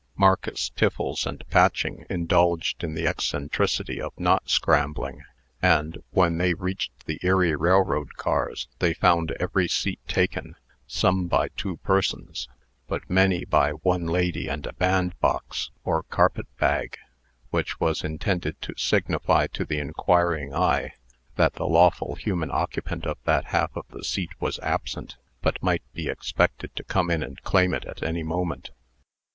Marcus, Tiffles, and Patching indulged in the eccentricity of not scrambling; and, when they reached the Erie Railroad cars, they found every seat taken, some by two persons, but many by one lady and a bandbox or carpet bag, which was intended to signify to the inquiring eye that the lawful human occupant of that half of the seat was absent, but might be expected to come in and claim it at any moment.